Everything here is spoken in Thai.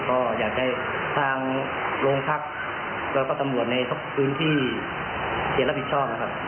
ก็อยากให้ทางโรงพักแล้วก็ตำรวจในทุกพื้นที่เขียนรับผิดชอบนะครับ